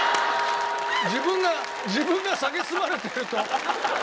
自分が自分がさげすまれてると。